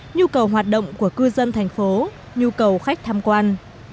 nhu cầu hoạt động của cư dân thành phố nhu cầu khách tham quan